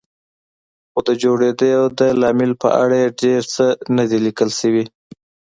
خو د جوړېدو د لامل په اړه یې ډېر څه نه دي لیکل شوي.